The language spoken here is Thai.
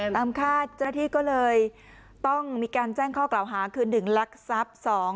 คาดเจ้าหน้าที่ก็เลยต้องมีการแจ้งข้อกล่าวหาคือ๑ลักทรัพย์